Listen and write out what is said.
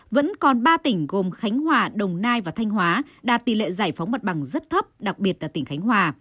vẫn còn ba tỉnh gồm khánh hòa đồng nai và thanh hóa đạt tỷ lệ giải phóng mặt bằng rất thấp đặc biệt là tỉnh khánh hòa